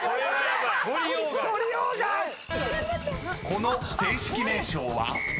［この正式名称は？］ＯＫ！